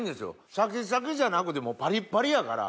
シャキシャキじゃなくてパリパリやから。